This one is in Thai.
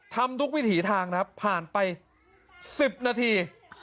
ทำทุกวิถีทางครับผ่านไป๑๐นาที